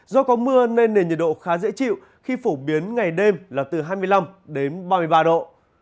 do có mưa nên nền nhiệt độ khá dễ chịu khi phổ biến ngày đêm là từ hai mươi năm đến ba mươi ba độ